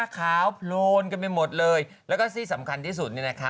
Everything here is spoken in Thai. ขาวโพลนกันไปหมดเลยแล้วก็ที่สำคัญที่สุด